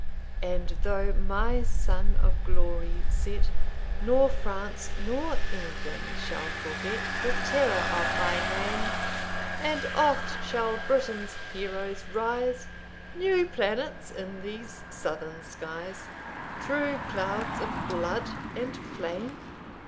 "'And though my sun of glory set, Nor France, nor England, shall forget The terror of my name; And oft shall Britain's heroes rise, New planets in these southern skies, Through clouds of blood and flame.'